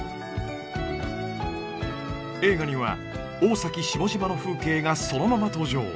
映画には大崎下島の風景がそのまま登場。